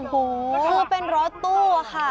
คือเป็นรถตู้ค่ะ